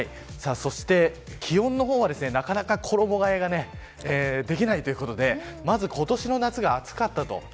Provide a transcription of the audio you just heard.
そして、気温の方はなかなか衣替えができないということでまず今年の夏が暑かったと。